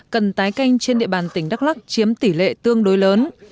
cần tái canh trên địa bàn tỉnh đắk lắc chiếm tỷ lệ tương đối lớn